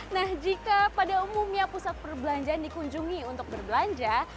nah jika pada umumnya pusat perbelanjaan dikunjungi untuk berbelanja